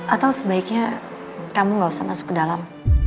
atau sebaiknya kamu gak usah masuk ke dalam